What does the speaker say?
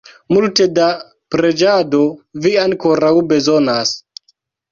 Multe da preĝado vi ankoraŭ bezonas!